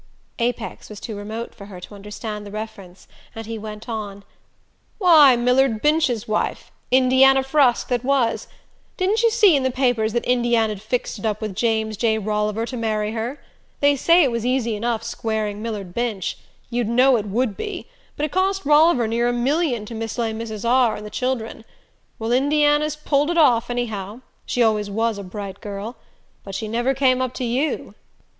Apex was too remote for her to understand the reference, and he went on: "Why, Millard Binch's wife Indiana Frusk that was. Didn't you see in the papers that Indiana'd fixed it up with James J. Rolliver to marry her? They say it was easy enough squaring Millard Binch you'd know it WOULD be but it cost Roliver near a million to mislay Mrs. R. and the children. Well, Indiana's pulled it off, anyhow; she always WAS a bright girl. But she never came up to you."